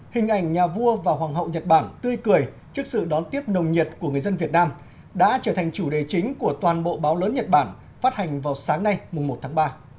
hình ảnh nhà vua và hoàng hậu nhật bản tươi cười trước sự đón tiếp nồng nhiệt của người dân việt nam đã trở thành chủ đề chính của toàn bộ báo lớn nhật bản phát hành vào sáng nay một tháng ba